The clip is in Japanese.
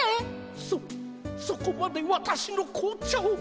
そそこまでわたしの紅茶を。